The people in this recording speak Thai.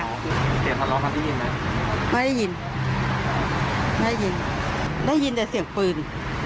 เสียงทะเลาะกันได้ยินไหมไม่ได้ยินไม่ได้ยินได้ยินแต่เสียงปืน